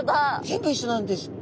全部一緒なんです。